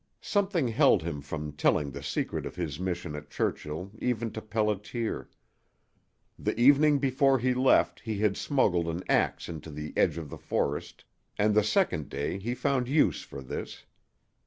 Something held him from telling the secret of his mission at Churchill even to Pelliter. The evening before he left he had smuggled an ax into the edge of the forest, and the second day he found use for this.